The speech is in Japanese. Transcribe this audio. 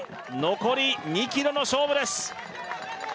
残り２ｋｍの勝負です